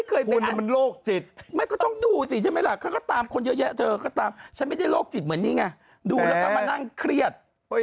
เดี๋ยวพอหยุดเขาไปอยู่กับเมียก็ด่าเขาโกรธเขาอีก